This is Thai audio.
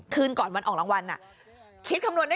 คืนก่อนวันออกรางวัลน่ะ